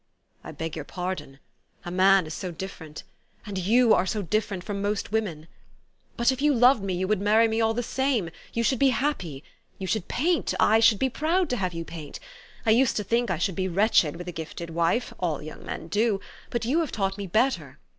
" I beg your pardon. A man is so different ! and you are so different from most women ! But, if you loved me, you would marry me all the same. You should be happy. You should paint. I should be proud to have you paint. I used to think I should be wretched with a gifted wife (all young men do) ; but you have taught me better.